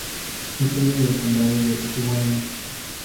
Es sede del condado de Swain.